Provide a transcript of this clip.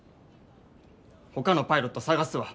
ほかのパイロット探すわ。